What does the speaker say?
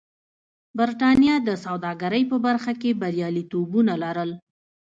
برېټانیا د سوداګرۍ په برخه کې بریالیتوبونه لرل.